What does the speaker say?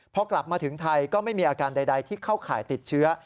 พอกลับมาถึงไทยก็ไม่มีอาการใดที่เข้าข่ายติดเชื้อ